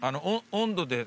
温度で。